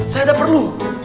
saya udah perlu